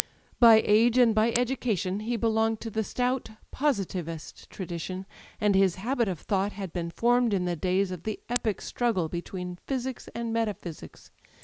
By age and by education he belonged to the stout Positivist tradition, and his habit of thought had been formed in the days of the epic struggle between physics and metaphysics.